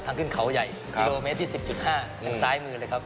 ทางขึ้นเขาใหญ่ครับทีโลเมตรที่สิบจุดห้าทางซ้ายมือเลยครับ